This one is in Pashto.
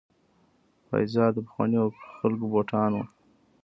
پایزار د پخوانیو خلکو بوټان وو.